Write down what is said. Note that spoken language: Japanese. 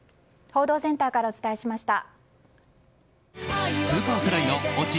報道センターからお伝えしました。